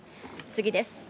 次です。